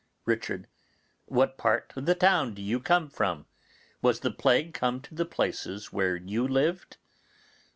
Richard. What part of the town do you come from? Was the plague come to the places where you lived?